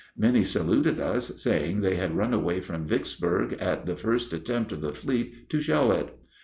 Many saluted us, saying they had run away from Vicksburg at the first attempt of the fleet to shell it.